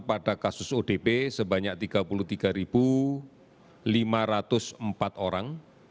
pada kasus odp sebanyak tiga puluh tiga lima ratus empat orang